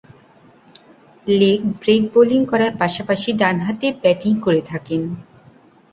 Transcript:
Leg break bowling করার পাশাপাশি ডানহাতে ব্যাটিং করে থাকেন।